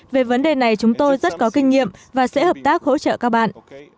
về vấn đề này chúng tôi rất có kinh nghiệm và sẽ hợp tác hỗ trợ các bạn